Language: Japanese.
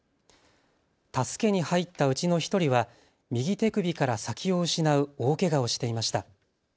助けに入ったうちの１人は右手首から先を失う大けがをしていました。